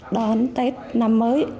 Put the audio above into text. đón tết năm mới